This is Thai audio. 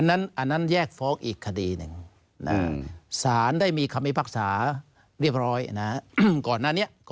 อันนั้นแยกฟ้องอีกคดีหนึ่งศาลได้มีคำพิพักษาเรียบร้อย